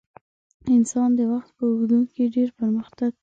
انسان د وخت په اوږدو کې ډېر پرمختګ کړی.